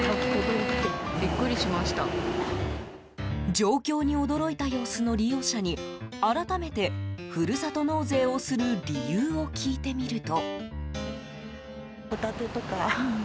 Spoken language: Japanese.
状況に驚いた様子の利用者に改めてふるさと納税をする理由を聞いてみると。